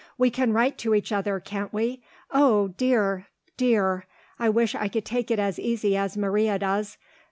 "We can write to each other can't we? Oh dear! dear! I wish I could take it as easy as Maria does.